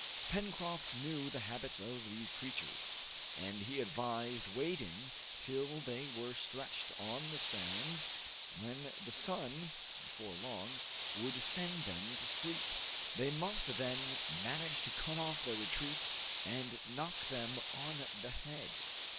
Pencroft knew the habits of these creatures, and he advised waiting till they were stretched on the sand, when the sun, before long, would send them to sleep. They must then manage to cut off their retreat and knock them on the head.